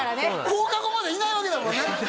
放課後までいないわけだもんね